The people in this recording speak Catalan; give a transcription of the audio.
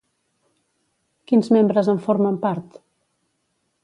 Quins membres en formen part?